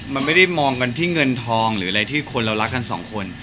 มันไม่ได้มองกันที่เงินทองหรืออะไรที่คนเรารักกันสองคน